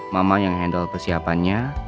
mama yang handle persiapannya